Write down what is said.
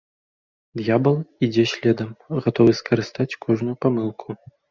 Д'ябал ідзе следам, гатовы скарыстаць кожную памылку.